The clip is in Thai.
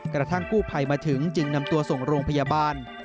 กระทั่งกู้ภัยมาถึงจึงนำตัวส่งโรงพยาบาล